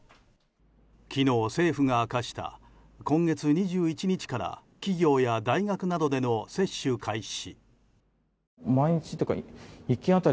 昨日、政府が明かした今月２１日から企業や大学などでの接種開始。